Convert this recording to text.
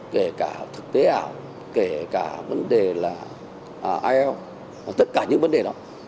kể cả thực tế ảo kể cả vấn đề là ielts tất cả những vấn đề đó